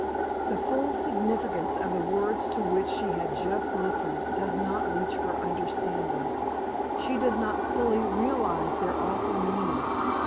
The full significance of the words to which she has just listened does not reach her understanding. She does not fully realize their awful meaning.